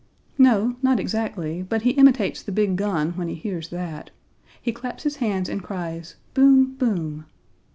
"No, not exactly, but he imitates the big gun when he hears that. Page 37 He claps his hands and cries 'Boom, boom.'